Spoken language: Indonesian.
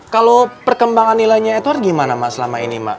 kalau perkembangan nilainya edward gimana ma selama ini ma